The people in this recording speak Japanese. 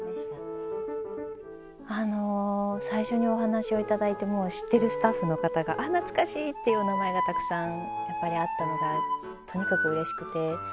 あの最初にお話を頂いてもう知ってるスタッフの方があっ懐かしいっていうお名前がたくさんやっぱりあったのがとにかくうれしくて。